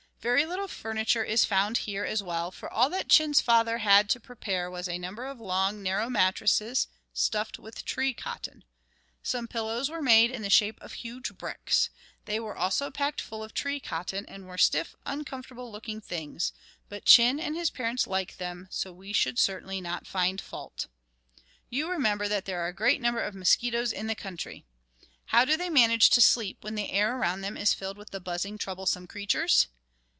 Very little furniture is found here, as well, for all that Chin's father had to prepare was a number of long, narrow mattresses, stuffed with tree cotton. Some pillows were made in the shape of huge bricks. They were also packed full of tree cotton, and were stiff, uncomfortable looking things; but Chin and his parents like them, so we should certainly not find fault. You remember there are great numbers of mosquitoes in the country. How do they manage to sleep when the air around them is filled with the buzzing, troublesome creatures?